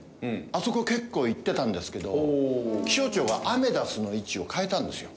あそこ結構いってたんですけど気象庁がアメダスの位置を変えたんですよ。